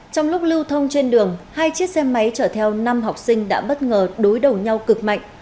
trong lúc lưu thông trên đường hai chiếc xe máy chở theo năm học sinh đã bất ngờ đối đầu nhau cực mạnh